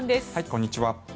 こんにちは。